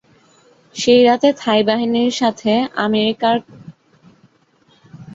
সেই রাতে, থাই নৌবাহিনীর সাথে আমেরিকান ক্যাম্পে একটা গুরুত্বপূর্ণ বৈঠক হয়েছিল।